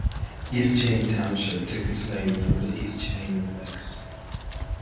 East Chain Township took its name from the East Chain of lakes.